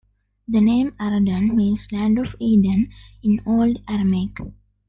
The name "Araden" means "Land of Eden" in old Aramaic.